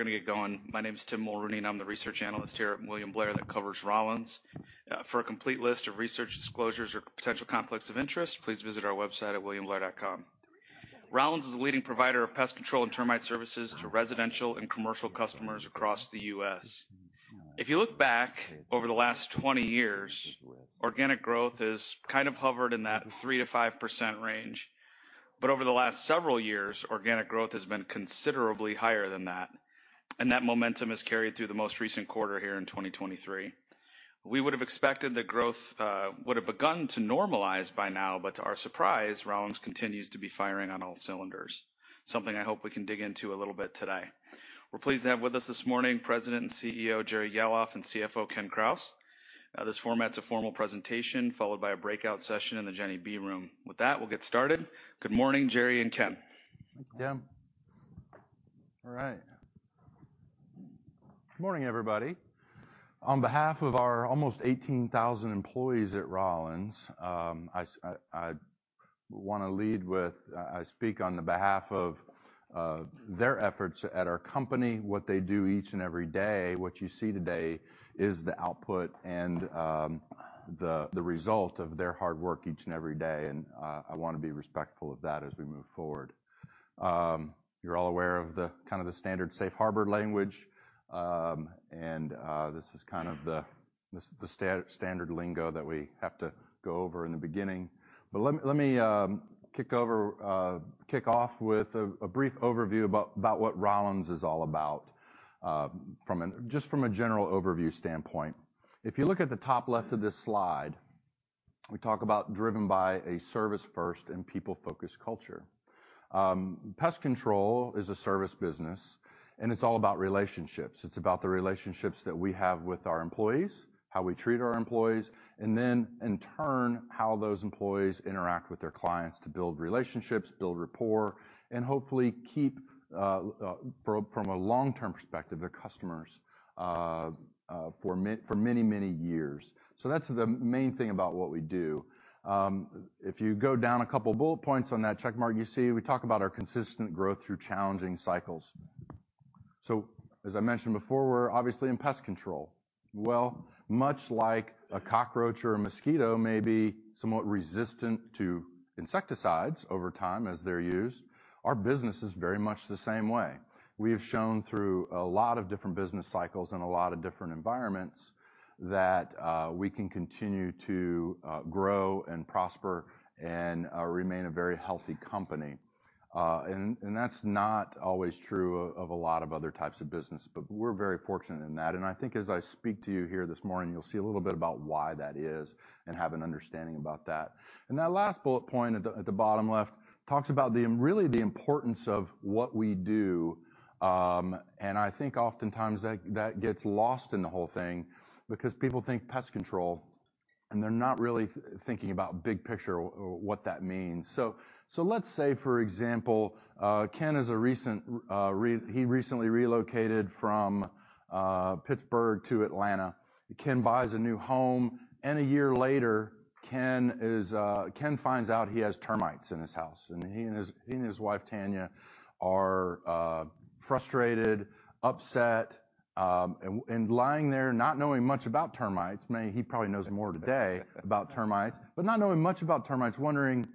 We're going to get going. My name is Tim Mulrooney, and I'm the research analyst here at William Blair, that covers Rollins. For a complete list of research disclosures or potential conflicts of interest, please visit our website at williamblair.com. Rollins is a leading provider of pest control and termite services to residential and commercial customers across the U.S. If you look back over the last 20 years, organic growth has kind of hovered in that 3%-5% range. Over the last several years, organic growth has been considerably higher than that, and that momentum has carried through the most recent quarter here in 2023. We would have expected that growth would have begun to normalize by now, but to our surprise, Rollins continues to be firing on all cylinders. Something I hope we can dig into a little bit today. We're pleased to have with us this morning President and CEO, Jerry Gahlhoff, and CFO, Ken Krause. This format's a formal presentation, followed by a breakout session in the Jenny B Room. With that, we'll get started. Good morning, Jerry and Ken. Thank you, Tim. All right. Good morning, everybody. On behalf of our almost 18,000 employees at Rollins, I want to lead with, I speak on the behalf of their efforts at our company, what they do each and every day. What you see today is the output and the result of their hard work each and every day. I want to be respectful of that as we move forward. You're all aware of the kind of the standard safe harbor language. This is kind of the standard lingo that we have to go over in the beginning. Let me kick off with a brief overview about what Rollins is all about, from a general overview standpoint. If you look at the top left of this slide, we talk about driven by a service first and people-focused culture. Pest control is a service business, it's all about relationships. It's about the relationships that we have with our employees, how we treat our employees, in turn, how those employees interact with their clients to build relationships, build rapport and hopefully keep from a long-term perspective, their customers for many, many years. That's the main thing about what we do. If you go down a couple of bullet points on that check mark, you see we talk about our consistent growth through challenging cycles. As I mentioned before, we're obviously in pest control. Well, much like a cockroach or a mosquito may be somewhat resistant to insecticides over time as they're used, our business is very much the same way. We have shown through a lot of different business cycles and a lot of different environments, that, we can continue to grow and prosper and remain a very healthy company. That's not always true of a lot of other types of business, but we're very fortunate in that, and I think as I speak to you here this morning, you'll see a little bit about why that is and have an understanding about that. That last bullet point at the bottom left, talks about the really the importance of what we do. I think oftentimes that gets lost in the whole thing because people think pest control, and they're not really thinking about big picture or what that means. Let's say, for example, Ken is a recent he recently relocated from Pittsburgh to Atlanta. Ken buys a new home, a year later, Ken finds out he has termites in his house, and he and his wife, Tanya, are frustrated, upset, and lying there, not knowing much about termites. I mean, he probably knows more today about termites, not knowing much about termites, wondering,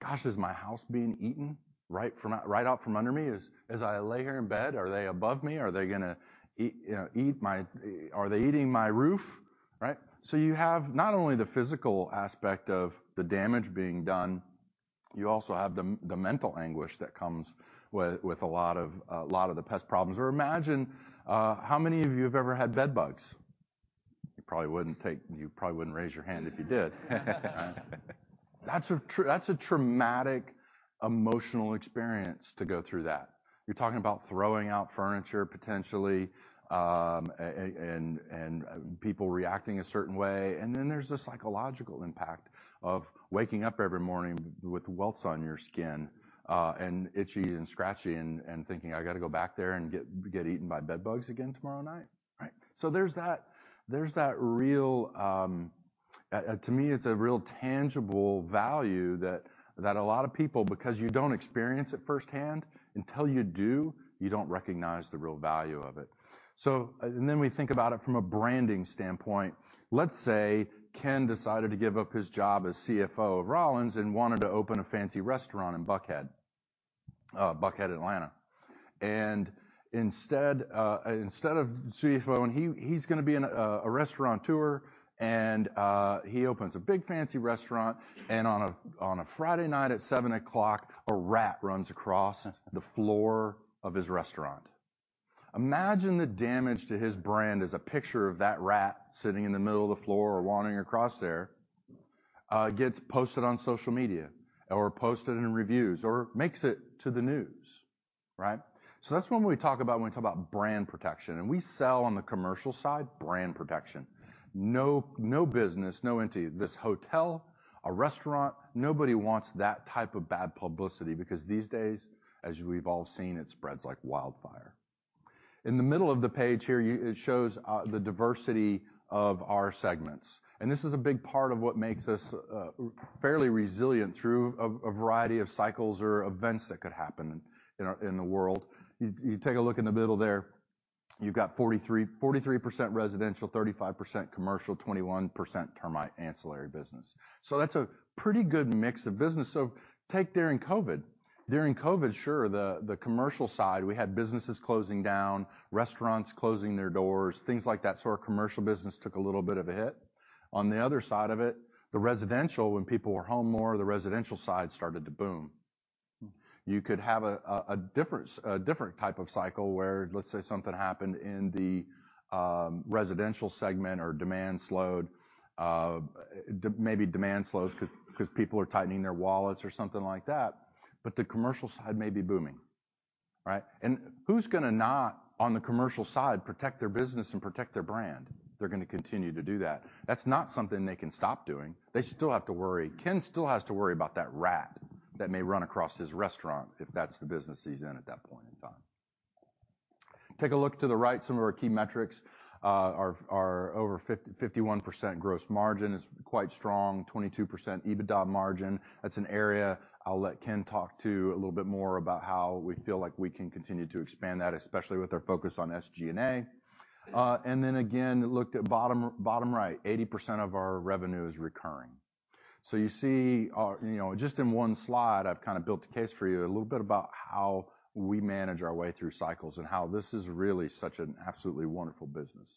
"Gosh, is my house being eaten right out from under me? As I lay here in bed, are they above me? Are they gonna eat, you know, eat my... Are they eating my roof?" Right? You have not only the physical aspect of the damage being done, you also have the mental anguish that comes with a lot of the pest problems. Imagine, how many of you have ever had bedbugs? You probably wouldn't raise your hand if you did. That's a traumatic, emotional experience to go through that. You're talking about throwing out furniture, potentially, and people reacting a certain way. Then there's the psychological impact of waking up every morning with welts on your skin, and itchy and scratchy and thinking, "I got to go back there and get eaten by bedbugs again tomorrow night?" Right. There's that real. To me, it's a real tangible value that a lot of people, because you don't experience it firsthand, until you do, you don't recognize the real value of it. We think about it from a branding standpoint. Let's say Ken decided to give up his job as CFO of Rollins and wanted to open a fancy restaurant in Buckhead, Atlanta. Instead, instead of CFO, he's going to be a restaurateur, and he opens a big fancy restaurant, and on a Friday night at 7:00, a rat runs across the floor of his restaurant. Imagine the damage to his brand as a picture of that rat sitting in the middle of the floor or wandering across there, gets posted on social media or posted in reviews or makes it to the news, right? That's when we talk about, when we talk about brand protection, and we sell on the commercial side, brand protection. No, no business, no entity, this hotel, a restaurant, nobody wants that type of bad publicity, because these days, as we've all seen, it spreads like wildfire. In the middle of the page here, you, it shows the diversity of our segments, and this is a big part of what makes us fairly resilient through a variety of cycles or events that could happen in the world. You take a look in the middle there. You've got 43% residential, 35% commercial, 21% termite ancillary business. That's a pretty good mix of business. Take during COVID. During COVID, sure, the commercial side, we had businesses closing down, restaurants closing their doors, things like that. Our commercial business took a little bit of a hit. On the other side of it, the residential, when people were home more, the residential side started to boom. You could have a different type of cycle where let's say something happened in the residential segment or demand slowed, maybe demand slows 'cause people are tightening their wallets or something like that, but the commercial side may be booming, right? Who's gonna not, on the commercial side, protect their business and protect their brand? They're gonna continue to do that. That's not something they can stop doing. They still have to worry. Ken still has to worry about that rat that may run across his restaurant if that's the business he's in at that point in time. Take a look to the right. Some of our key metrics, are over 51% gross margin is quite strong, 22% EBITDA margin. That's an area I'll let Ken talk to a little bit more about how we feel like we can continue to expand that, especially with our focus on SG&A. Again, look at bottom right, 80% of our revenue is recurring. You see, you know, just in one slide, I've kind of built a case for you a little bit about how we manage our way through cycles and how this is really such an absolutely wonderful business.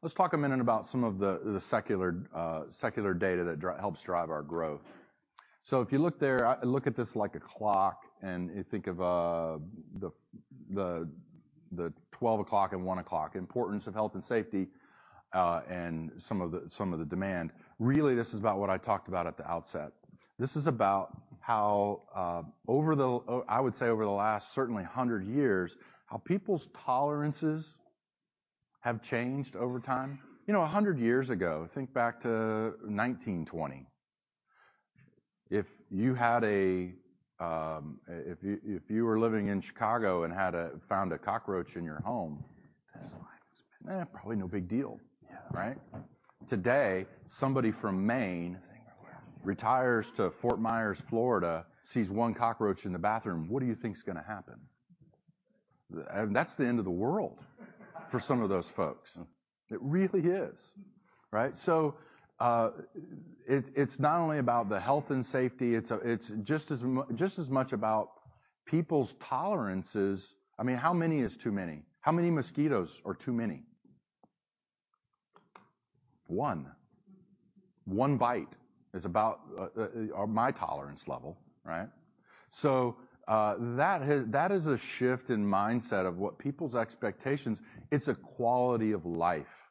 Let's talk a minute about some of the secular data that helps drive our growth. If you look there, I look at this like a clock, and you think of the 12 o'clock and 1 o'clock, importance of health and safety, and some of the demand. Really, this is about what I talked about at the outset. This is about how over the, I would say over the last certainly 100 years, how people's tolerances have changed over time. You know, 100 years ago, think back to 1920. If you were living in Chicago and found a cockroach in your home, eh, probably no big deal, right? Today, somebody from Maine retires to Fort Myers, Florida, sees 1 cockroach in the bathroom. What do you think is gonna happen? That's the end of the world for some of those folks. It really is, right? It's not only about the health and safety, it's just as much about people's tolerances. I mean, how many is too many? How many mosquitoes are too many? One. One bite is about my tolerance level, right? That is a shift in mindset of what people's expectations... It's a quality of life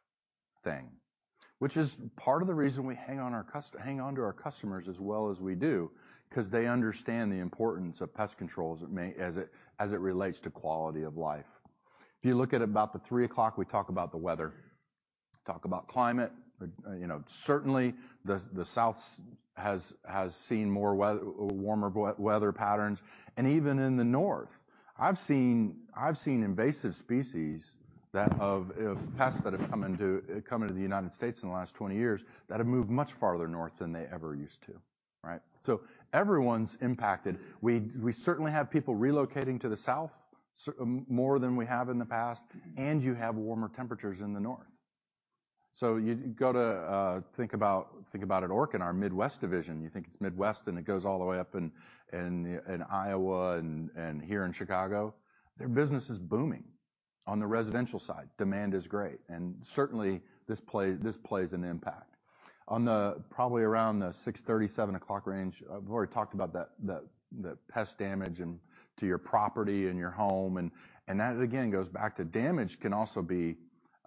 thing, which is part of the reason we hang on to our customers as well as we do, 'cause they understand the importance of pest control as it relates to quality of life. If you look at about the 3 o'clock, we talk about the weather, talk about climate. You know, certainly, the South has seen more weather... warmer weather patterns. Even in the North, I've seen invasive species that of pests that have come into the United States in the last 20 years, that have moved much farther North than they ever used to, right. Everyone's impacted. We certainly have people relocating to the South, more than we have in the past, and you have warmer temperatures in the North. You go to think about at Orkin, our Midwest division, you think it's Midwest, it goes all the way up in Iowa and here in Chicago. Their business is booming on the residential side. Demand is great, certainly, this plays an impact. Probably around the 6:30, 7:00 range, I've already talked about that, the pest damage to your property and your home, and that again goes back to damage can also be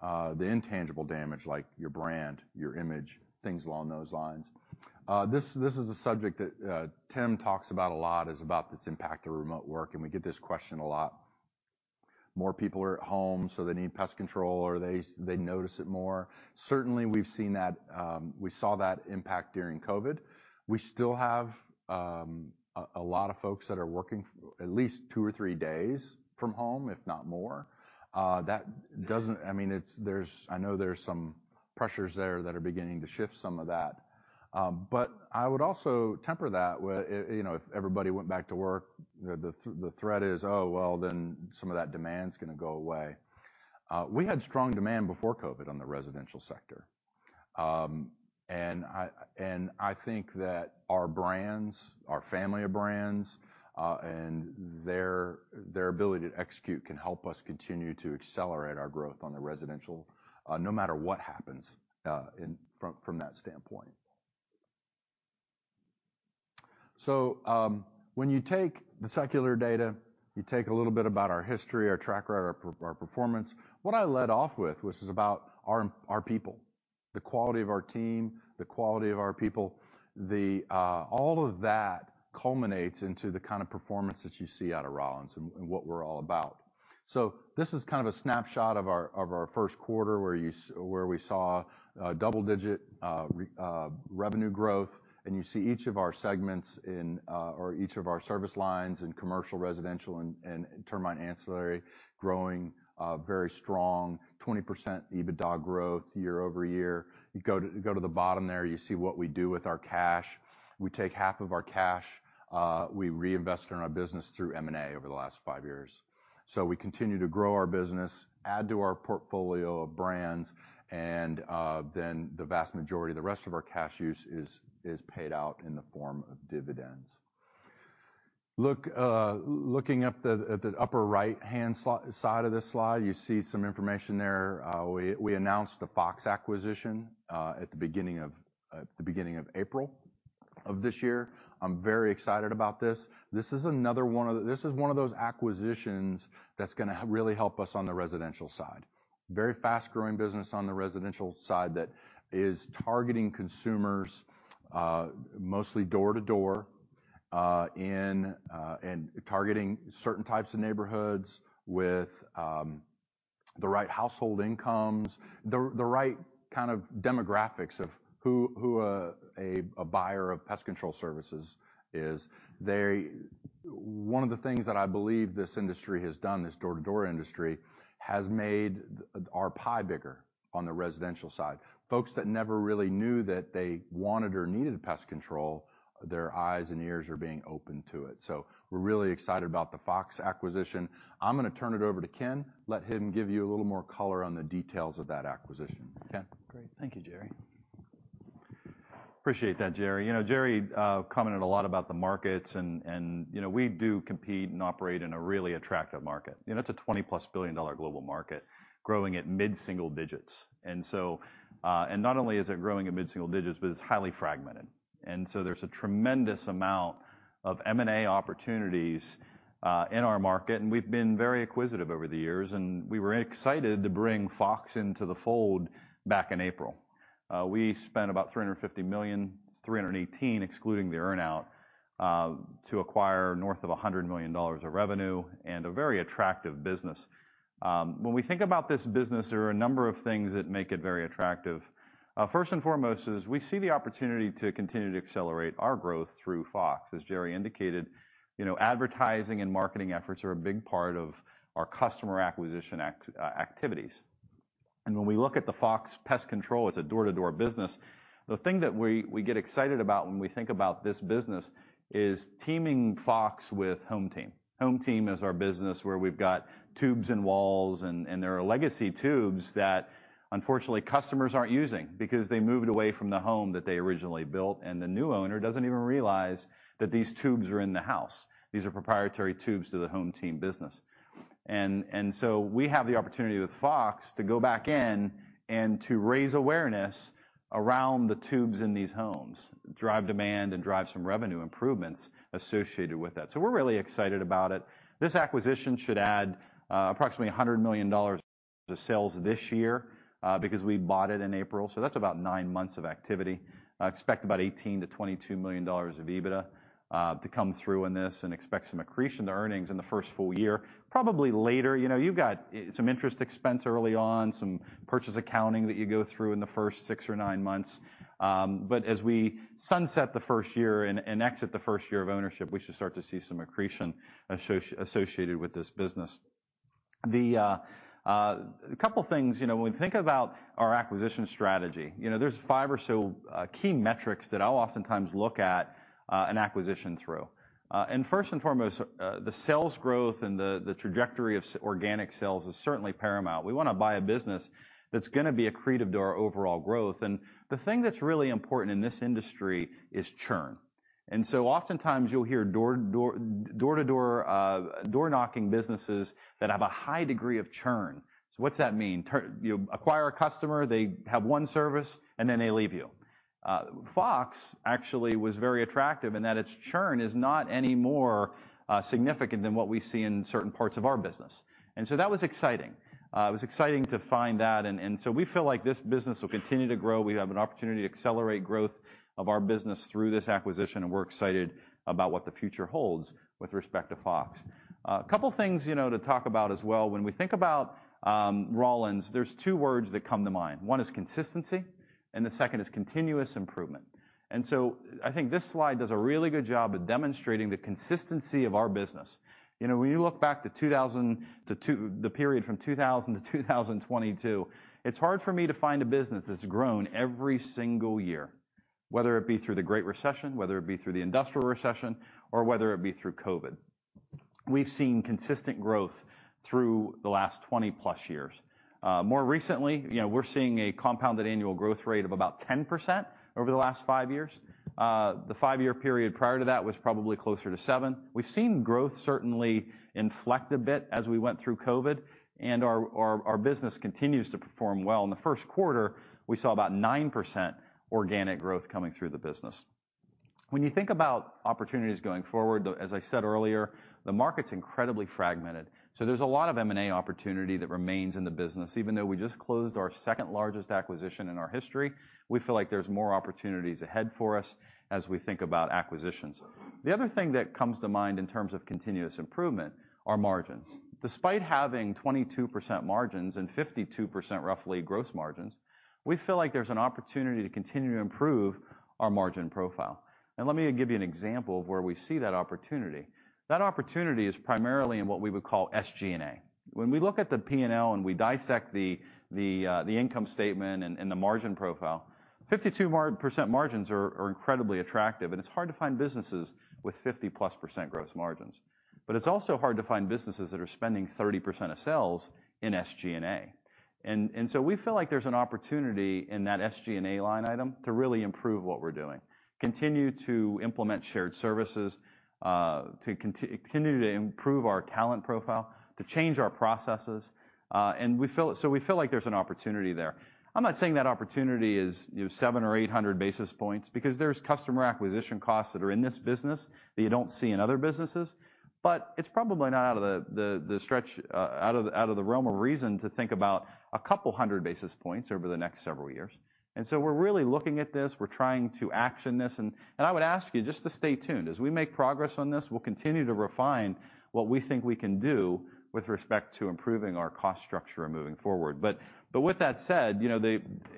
the intangible damage, like your brand, your image, things along those lines. This is a subject that Tim talks about a lot, is about this impact of remote work. We get this question a lot. More people are at home, so they need pest control, or they notice it more. Certainly, we've seen that, we saw that impact during COVID. We still have a lot of folks that are working at least two or three days from home, if not more. I mean, it's, there's, I know there's some pressures there that are beginning to shift some of that. I would also temper that with, you know, if everybody went back to work, the threat is, oh, well, then some of that demand is gonna go away. We had strong demand before COVID on the residential sector. I think that our brands, our family of brands, and their ability to execute can help us continue to accelerate our growth on the residential, no matter what happens, from that standpoint. When you take the secular data, you take a little bit about our history, our track record, our performance. What I led off with, which is about our people, the quality of our team, the quality of our people. All of that culminates into the kind of performance that you see out of Rollins and what we're all about. This is kind of a snapshot of our first quarter, where we saw double-digit revenue growth, and you see each of our segments in or each of our service lines in commercial, residential, and termite ancillary, growing very strong, 20% EBITDA growth year-over-year. You go to the bottom there, you see what we do with our cash. We take half of our cash, we reinvest in our business through M&A over the last five years. We continue to grow our business, add to our portfolio of brands, and then the vast majority of the rest of our cash use is paid out in the form of dividends. Look, looking at the, at the upper right-hand side of this slide, you see some information there. We, we announced the Fox acquisition at the beginning of, the beginning of April of this year. I'm very excited about this. This is another one of the, this is one of those acquisitions that's gonna really help us on the residential side. Very fast-growing business on the residential side that is targeting consumers, mostly door-to-door, and targeting certain types of neighborhoods with the right household incomes, the right kind of demographics of who a buyer of pest control services is. One of the things that I believe this industry has done, this door-to-door industry, has made our pie bigger on the residential side. Folks that never really knew that they wanted or needed pest control, their eyes and ears are being opened to it. We're really excited about the Fox acquisition. I'm gonna turn it over to Ken, let him give you a little more color on the details of that acquisition. Ken? Great. Thank you, Jerry. Appreciate that, Jerry. You know, Jerry commented a lot about the markets and, you know, we do compete and operate in a really attractive market. You know, it's a $20+ billion global market, growing at mid-single digits. Not only is it growing at mid-single digits, but it's highly fragmented. There's a tremendous amount of M&A opportunities in our market, and we've been very acquisitive over the years, and we were excited to bring Fox into the fold back in April. We spent about $350 million, $318 million, excluding the earn-out, to acquire north of $100 million of revenue and a very attractive business. When we think about this business, there are a number of things that make it very attractive. First and foremost is we see the opportunity to continue to accelerate our growth through Fox. As Jerry indicated, you know, advertising and marketing efforts are a big part of our customer acquisition activities. When we look at the Fox Pest Control, it's a door-to-door business. The thing that we get excited about when we think about this business is teaming Fox with HomeTeam. HomeTeam is our business where we've got Tubes in the Wall, and there are legacy tubes that unfortunately, customers aren't using because they moved away from the home that they originally built, and the new owner doesn't even realize that these tubes are in the house. These are proprietary tubes to the HomeTeam business. We have the opportunity with Fox to go back in and to raise awareness around the Tubes in these homes, drive demand, and drive some revenue improvements associated with that. We're really excited about it. This acquisition should add approximately $100 million to sales this year, because we bought it in April, so that's about 9 months of activity. Expect about $18 million-$22 million of EBITDA to come through in this, and expect some accretion to earnings in the first full year. Probably later, you know, you've got some interest expense early on, some purchase accounting that you go through in the first 6 or 9 months. As we sunset the first year and exit the first year of ownership, we should start to see some accretion associated with this business. The couple things, you know, when we think about our acquisition strategy, you know, there's 5 or so key metrics that I'll oftentimes look at an acquisition through. First and foremost, the sales growth and the trajectory of organic sales is certainly paramount. We want to buy a business that's gonna be accretive to our overall growth, and the thing that's really important in this industry is churn. Oftentimes you'll hear door-to-door, door-knocking businesses that have a high degree of churn. What's that mean? You acquire a customer, they have 1 service, and then they leave you. Fox actually was very attractive in that its churn is not any more significant than what we see in certain parts of our business. That was exciting. It was exciting to find that, and so we feel like this business will continue to grow. We have an opportunity to accelerate growth of our business through this acquisition, and we're excited about what the future holds with respect to Fox. A couple things, you know, to talk about as well. When we think about Rollins, there's two words that come to mind. One is consistency, and the second is continuous improvement. I think this slide does a really good job of demonstrating the consistency of our business. You know, when you look back to the period from 2000 to 2022, it's hard for me to find a business that's grown every single year, whether it be through the Great Recession, whether it be through the industrial recession, or whether it be through Covid. We've seen consistent growth through the last 20-plus years. More recently, you know, we're seeing a compounded annual growth rate of about 10% over the last five years. The five-year period prior to that was probably closer to 7%. We've seen growth certainly inflect a bit as we went through COVID, and our business continues to perform well. In the first quarter, we saw about 9% organic growth coming through the business. When you think about opportunities going forward, though, as I said earlier, the market's incredibly fragmented, so there's a lot of M&A opportunity that remains in the business. Even though we just closed our second-largest acquisition in our history, we feel like there's more opportunities ahead for us as we think about acquisitions. The other thing that comes to mind in terms of continuous improvement are margins. Despite having 22% margins and 52%, roughly, gross margins, we feel like there's an opportunity to continue to improve our margin profile. Let me give you an example of where we see that opportunity. That opportunity is primarily in what we would call SG&A. When we look at the P&L, and we dissect the income statement and the margin profile, 52% margins are incredibly attractive, and it's hard to find businesses with 50-plus % gross margins. It's also hard to find businesses that are spending 30% of sales in SG&A. We feel like there's an opportunity in that SG&A line item to really improve what we're doing, continue to implement shared services, to continue to improve our talent profile, to change our processes, and we feel. We feel like there's an opportunity there. I'm not saying that opportunity is, you know, 700 or 800 basis points, because there's customer acquisition costs that are in this business that you don't see in other businesses, but it's probably not out of the stretch, out of the realm of reason to think about a couple hundred basis points over the next several years. We're really looking at this. We're trying to action this, and I would ask you just to stay tuned. As we make progress on this, we'll continue to refine what we think we can do with respect to improving our cost structure moving forward. With that said, you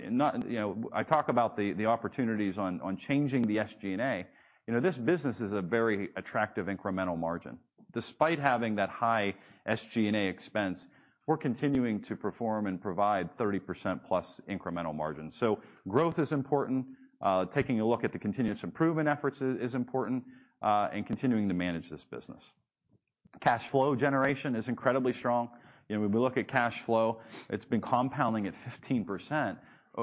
know, I talk about the opportunities on changing the SG&A. You know, this business is a very attractive incremental margin. Despite having that high SG&A expense, we're continuing to perform and provide 30%+ incremental margin. Growth is important, taking a look at the continuous improvement efforts is important, and continuing to manage this business. Cash flow generation is incredibly strong. You know, when we look at cash flow, it's been compounding at 15%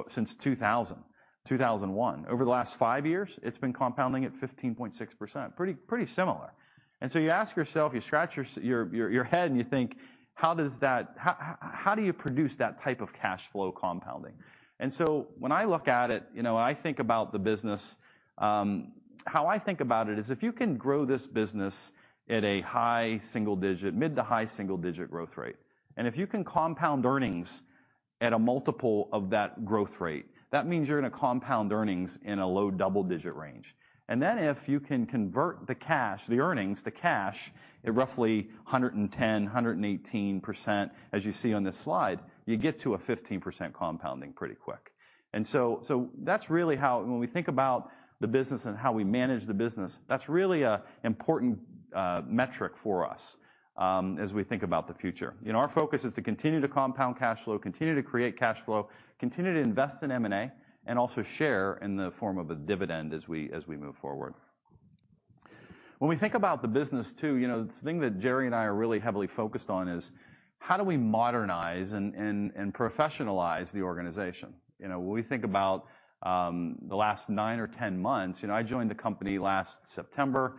since 2000, 2001. Over the last five years, it's been compounding at 15.6%. Pretty similar. You ask yourself, you scratch your head, and you think, how do you produce that type of cash flow compounding? When I look at it, you know, I think about the business, how I think about it is, if you can grow this business at a high single digit, mid to high single digit growth rate, and if you can compound earnings at a multiple of that growth rate, that means you're gonna compound earnings in a low double-digit range. If you can convert the cash, the earnings to cash, at roughly 110%-118%, as you see on this slide, you get to a 15% compounding pretty quick. So that's really how when we think about the business and how we manage the business, that's really a important metric for us, as we think about the future. You know, our focus is to continue to compound cash flow, continue to create cash flow, continue to invest in M&A, and also share in the form of a dividend as we move forward. When we think about the business, too, you know, the thing that Jerry and I are really heavily focused on is, how do we modernize and professionalize the organization? You know, when we think about the last 9 or 10 months. You know, I joined the company last September,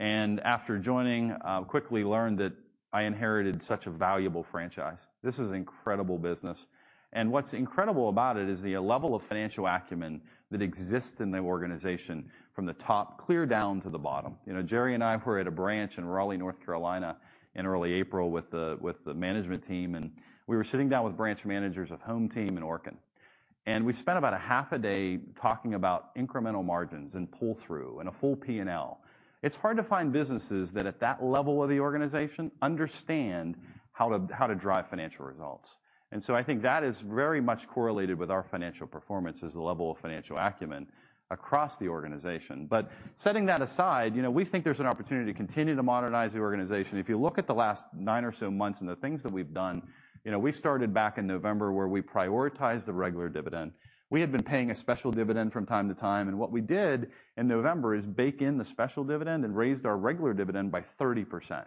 after joining, I quickly learned that I inherited such a valuable franchise. This is incredible business. What's incredible about it is the level of financial acumen that exists in the organization, from the top, clear down to the bottom. You know, Jerry and I were at a branch in Raleigh, North Carolina, in early April with the management team, we were sitting down with branch managers of HomeTeam and Orkin. We spent about a half a day talking about incremental margins and pull-through and a full P&L. It's hard to find businesses that, at that level of the organization, understand how to drive financial results. I think that is very much correlated with our financial performance is the level of financial acumen across the organization. Setting that aside, you know, we think there's an opportunity to continue to modernize the organization. If you look at the last nine or so months and the things that we've done, you know, we started back in November, where we prioritized the regular dividend. We had been paying a special dividend from time to time, what we did in November is bake in the special dividend and raised our regular dividend by 30%.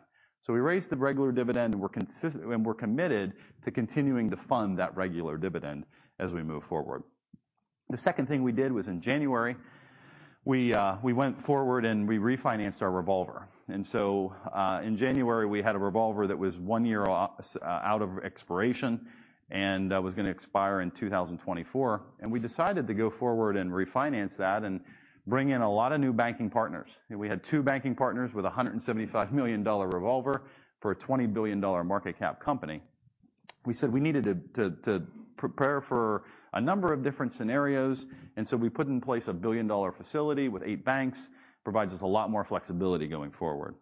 We raised the regular dividend, and we're committed to continuing to fund that regular dividend as we move forward. The second thing we did was, in January, we went forward, we refinanced our revolver. In January, we had a revolver that was one year off out of expiration and was gonna expire in 2024, we decided to go forward and refinance that and bring in a lot of new banking partners. We had two banking partners with a $175 million revolver for a $20 billion market cap company. We said we needed to prepare for a number of different scenarios, we put in place a billion-dollar facility with eight banks, provides us a lot more flexibility going forward.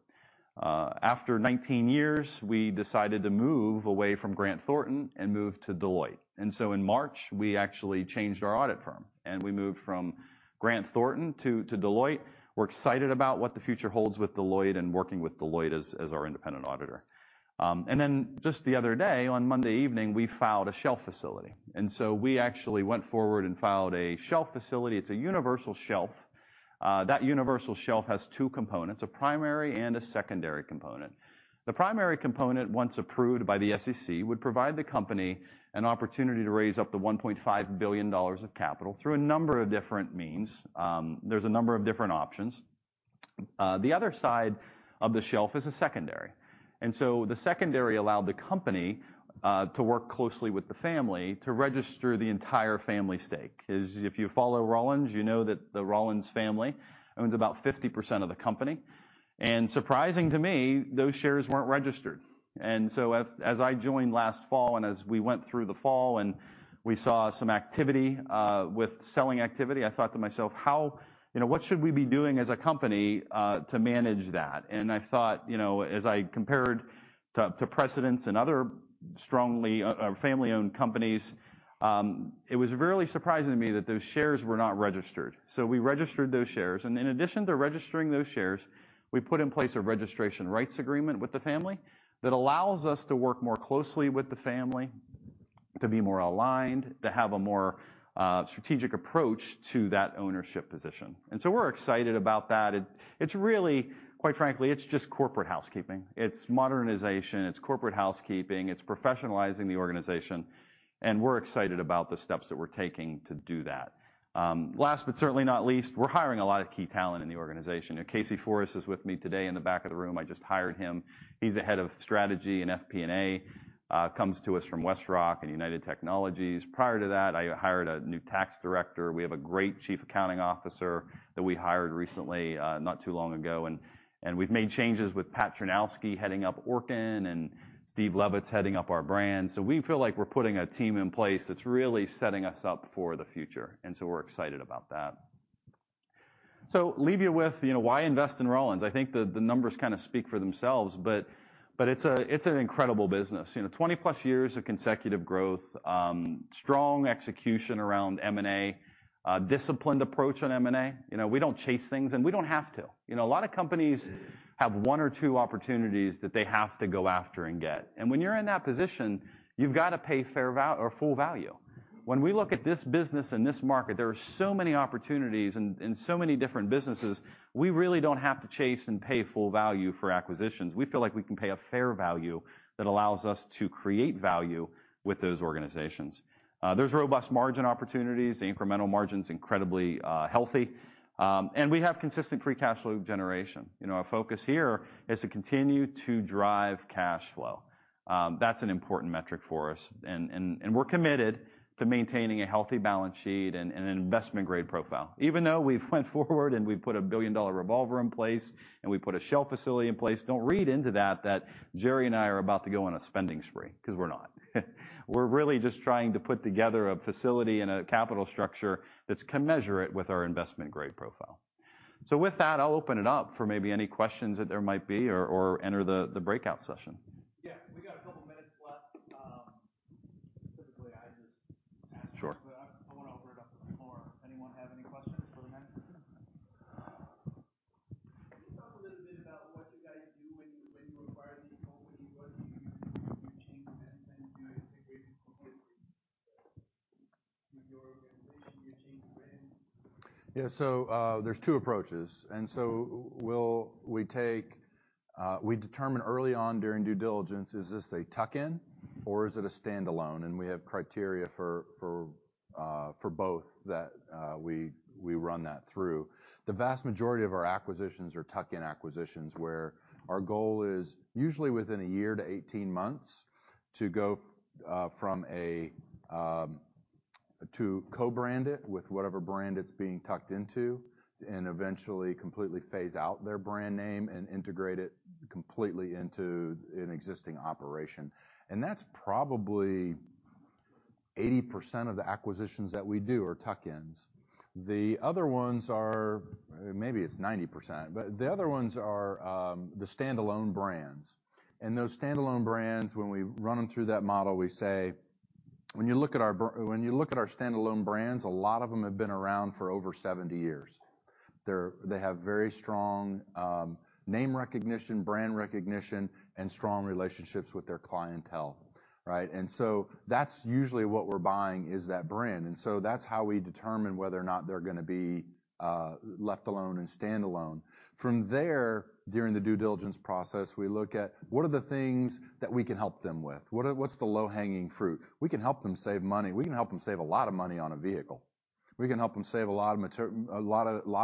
After 19 years, we decided to move away from Grant Thornton and move to Deloitte. In March, we actually changed our audit firm, and we moved from Grant Thornton to Deloitte. We're excited about what the future holds with Deloitte and working with Deloitte as our independent auditor. Then just the other day, on Monday evening, we filed a shelf facility. We actually went forward and filed a shelf facility. It's a universal shelf. That universal shelf has two components, a primary and a secondary component. The primary component, once approved by the SEC, would provide the company an opportunity to raise up to $1.5 billion of capital through a number of different means. There's a number of different options. The other side of the shelf is a secondary. The secondary allowed the company to work closely with the Rollins family to register the entire family stake. 'Cause if you follow Rollins, you know that the Rollins family owns about 50% of the company, and surprising to me, those shares weren't registered. As I joined last fall, and as we went through the fall, and we saw some activity, with selling activity, I thought to myself, you know, what should we be doing as a company to manage that? I thought, you know, as I compared to precedents and other strongly, family-owned companies, it was really surprising to me that those shares were not registered. We registered those shares, and in addition to registering those shares, we put in place a registration rights agreement with the family, that allows us to work more closely with the family, to be more aligned, to have a more strategic approach to that ownership position. We're excited about that. It's really, quite frankly, it's just corporate housekeeping. It's modernization, it's corporate housekeeping, it's professionalizing the organization, and we're excited about the steps that we're taking to do that. Last but certainly not least, we're hiring a lot of key talent in the organization. Casey Forrest is with me today in the back of the room. I just hired him. He's the head of strategy and FP&A. comes to us from WestRock and United Technologies. Prior to that, I hired a new tax director. We have a great chief accounting officer that we hired recently, not too long ago, and we've made changes with Pat Chrzanowski heading up Orkin, and Steve Leavitt heading up our brands. We feel like we're putting a team in place that's really setting us up for the future, and so we're excited about that. Leave you with, you know, why invest in Rollins? I think the numbers kind of speak for themselves, but it's a, it's an incredible business. You know, 20-plus years of consecutive growth, strong execution around M&A, disciplined approach on M&A. You know, we don't chase things, and we don't have to. You know, a lot of companies have one or two opportunities that they have to go after and get. When you're in that position, you've got to pay full value. When we look at this business and this market, there are so many opportunities and so many different businesses, we really don't have to chase and pay full value for acquisitions. We feel like we can pay a fair value that allows us to create value with those organizations. There's robust margin opportunities. The incremental margin's incredibly healthy. We have consistent free cash flow generation. You know, our focus here is to continue to drive cash flow. That's an important metric for us, and we're committed to maintaining a healthy balance sheet and an investment-grade profile. Even though we've went forward and we've put a billion-dollar revolver in place, and we put a shelf facility in place, don't read into that Jerry and I are about to go on a spending spree, 'cause we're not. We're really just trying to put together a facility and a capital structure that's commensurate with our investment-grade profile. With that, I'll open it up for maybe any questions that there might be or enter the breakout session. Yeah, we got a couple minutes left. Typically, I just ask- Sure. I want to open it up to the floor. Anyone have any questions for the guys? Can you talk a little bit about what you guys do when you acquire these companies? What do you do? Do you change the names, do you integrate them completely with your organization? Do you change the brand? There's two approaches, we take, we determine early on during due diligence, is this a tuck-in or is it a standalone? We have criteria for both that we run that through. The vast majority of our acquisitions are tuck-in acquisitions, where our goal is, usually within a year to 18 months, to go from a to co-brand it with whatever brand it's being tucked into and eventually completely phase out their brand name and integrate it completely into an existing operation. That's probably 80% of the acquisitions that we do, are tuck-ins. The other ones are... Maybe it's 90%, the other ones are the standalone brands, those standalone brands, when we run them through that model, we say, when you look at our standalone brands, a lot of them have been around for over 70 years. They have very strong name recognition, brand recognition, and strong relationships with their clientele, right? That's usually what we're buying, is that brand, and so that's how we determine whether or not they're gonna be left alone and standalone. From there, during the due diligence process, we look at what are the things that we can help them with? What's the low-hanging fruit? We can help them save money. We can help them save a lot of money on a vehicle. We can help them save a lot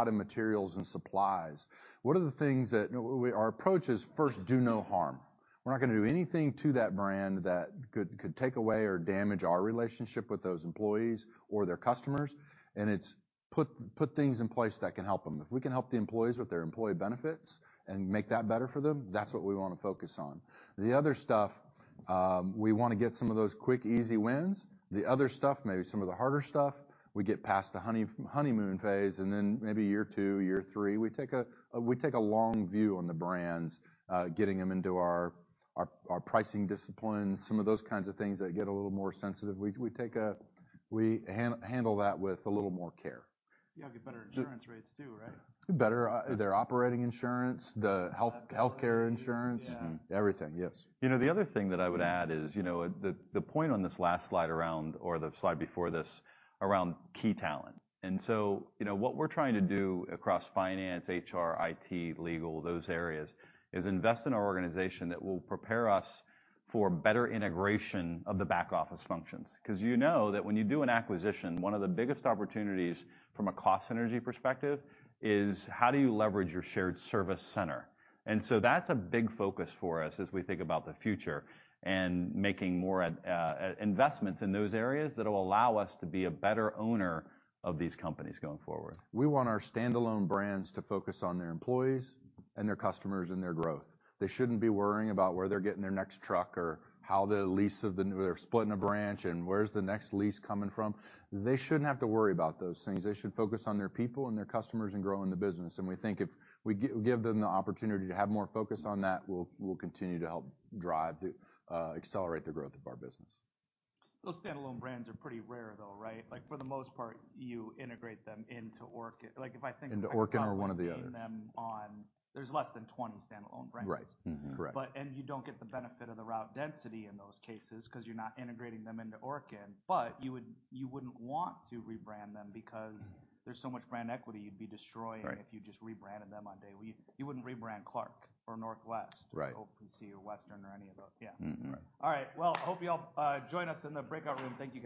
of materials and supplies. Our approach is, first, do no harm. We're not gonna do anything to that brand that could take away or damage our relationship with those employees or their customers, and it's put things in place that can help them. If we can help the employees with their employee benefits and make that better for them, that's what we want to focus on. The other stuff, we want to get some of those quick, easy wins. The other stuff, maybe some of the harder stuff, we get past the honeymoon phase, and then maybe year two, year three, we take a long view on the brands, getting them into our pricing disciplines, some of those kinds of things that get a little more sensitive. We handle that with a little more care. You have to get better insurance rates, too, right? Better, their operating insurance. Healthcare. healthcare insurance. Yeah. Everything. Yes. You know, the other thing that I would add is, you know, the point on this last slide around, or the slide before this, around key talent. You know, what we're trying to do across finance, HR, IT, legal, those areas, is invest in our organization that will prepare us for better integration of the back office functions. 'Cause you know that when you do an acquisition, one of the biggest opportunities from a cost synergy perspective is: How do you leverage your shared service center? That's a big focus for us as we think about the future and making more investments in those areas that will allow us to be a better owner of these companies going forward. We want our standalone brands to focus on their employees and their customers and their growth. They shouldn't be worrying about where they're getting their next truck or how the lease of the new. They're splitting a branch, where's the next lease coming from? They shouldn't have to worry about those things. They should focus on their people and their customers and growing the business. We think if we give them the opportunity to have more focus on that, we'll continue to help drive the accelerate the growth of our business. Those standalone brands are pretty rare, though, right? Like, for the most part, you integrate them into Orkin. Like, if I think. Into Orkin or one of the others. Bringing them on, there's less than 20 standalone brands. Right. Mm-hmm. Correct. You don't get the benefit of the route density in those cases, 'cause you're not integrating them into Orkin. You wouldn't want to rebrand them because- Mm. There's so much brand equity you'd be destroying. Right. If you just rebranded them on day one. You wouldn't rebrand Clark or Northwest. Right. OPC or Western or any of those. Yeah. Mm-hmm. All right. Well, I hope you all, join us in the breakout room. Thank you, guys.